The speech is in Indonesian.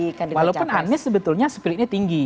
kandidat cakres walaupun anis sebetulnya splitnya tinggi